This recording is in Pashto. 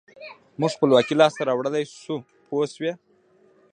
موږ خپلواکي لاسته راوړلای شو پوه شوې!.